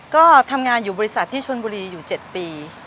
ก็ทำงานอยู่บริษัทที่ชนบุรีอยู่๗ปี